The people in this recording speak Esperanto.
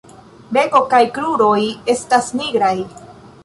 Beko kaj kruroj estas nigraj.